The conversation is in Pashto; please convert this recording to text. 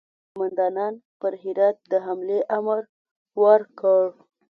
د پوځ قوماندانانو پر هرات د حملې امر ورکړ.